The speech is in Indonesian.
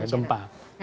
gempa gitu ya